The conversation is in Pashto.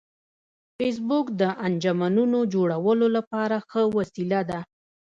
فېسبوک د انجمنونو جوړولو لپاره ښه وسیله ده